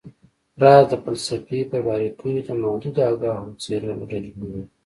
راز د فلسفې پر باریکیو د محدودو آګاهو څیرو له ډلې نه و